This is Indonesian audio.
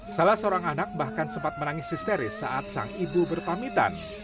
salah seorang anak bahkan sempat menangis histeris saat sang ibu berpamitan